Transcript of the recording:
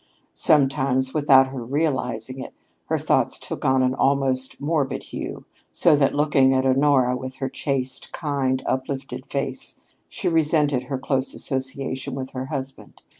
Sometimes, without her realizing it, her thoughts took on an almost morbid hue, so that, looking at Honora with her chaste, kind, uplifted face, she resented her close association with her husband.